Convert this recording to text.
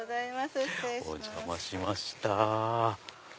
お邪魔しました。